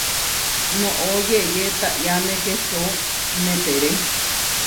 Noʼó yeʼyé taʼyáme kehsó meteré.